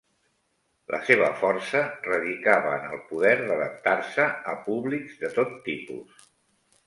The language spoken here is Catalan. La seva força radicava en el poder d'adaptar-se a públics de tot tipus.